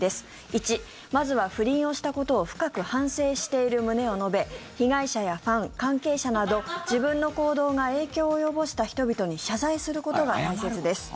１、まずは不倫をしたことを深く反省している旨を述べ被害者やファン、関係者など自分の行動が影響を及ぼした人々に謝罪することが大切です。